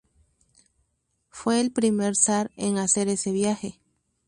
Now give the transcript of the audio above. Fue el primer zar en hacer ese viaje.